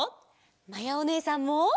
まやおねえさんも！